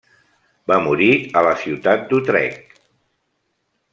Va morir a la ciutat d'Utrecht.